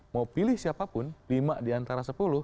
mau pilih siapapun lima diantara sepuluh